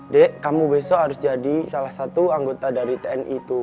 dek kamu besok harus jadi salah satu anggota dari tni itu